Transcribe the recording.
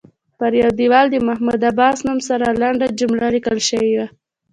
پر یوه دیوال د محمود عباس نوم سره لنډه جمله لیکل شوې وه.